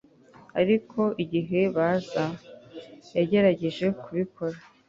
ariko igihe bazza yagerageje kubikora